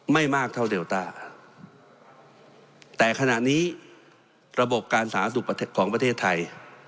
ไม่มากเท่าเดลต้าแต่ขณะนี้ระบบการสาธารณสุขประเทศของประเทศไทย